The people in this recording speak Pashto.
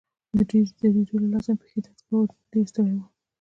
د ډېرې درېدو له لاسه مې پښې درد کاوه، ډېر ستړی وم.